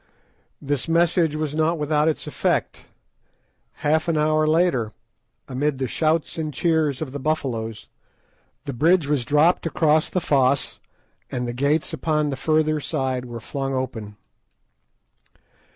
This message was not without its effect. Half an hour later, amid the shouts and cheers of the Buffaloes, the bridge was dropped across the fosse, and the gates upon the further side were flung open.